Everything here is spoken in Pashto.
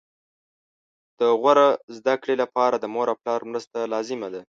د غوره زده کړې لپاره د مور او پلار مرسته لازمي ده